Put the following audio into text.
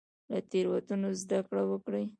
له تیروتنو زده کړه وکړئ